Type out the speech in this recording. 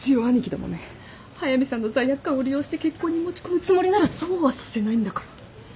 速見さんの罪悪感を利用して結婚に持ち込むつもりならそうはさせないんだから。